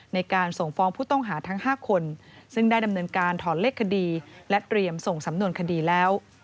ในการส่งฟ้องผู้ต้องหาทั้ง๕คนซึ่งได้ดำเนินการถอนเลขคดีและเตรียมส่งสำนวนคดีแล้ว